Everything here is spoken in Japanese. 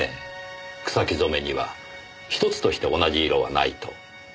草木染めには１つとして同じ色はないと。